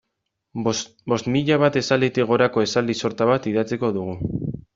Bost mila bat esalditik gorako esaldi sorta bat idatziko dugu.